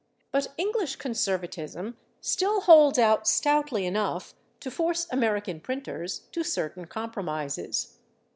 But English conservatism still holds out stoutly enough to force American printers to certain compromises.